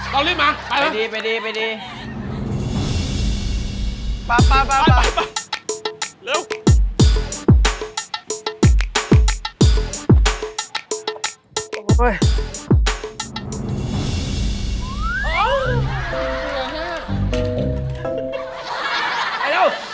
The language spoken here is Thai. ทำอะไรเรารีบมา